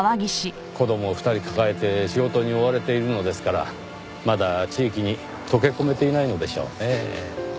子供を２人抱えて仕事に追われているのですからまだ地域に溶け込めていないのでしょうねぇ。